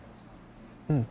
うん。